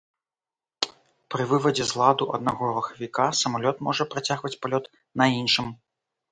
Пры вывадзе з ладу аднаго рухавіка самалёт можа працягваць палёт на іншым.